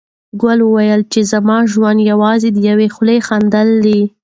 ګل وايي چې زما ژوند یوازې یوه خوله خندېدل دي.